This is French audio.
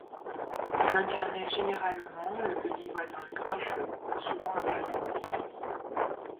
Il incarnait généralement le petit voisin grincheux, souvent un Berlinois.